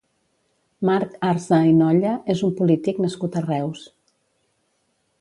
Marc Arza i Nolla és un polític nascut a Reus.